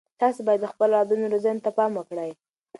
تاسو باید د خپلو اولادونو روزنې ته پام وکړئ.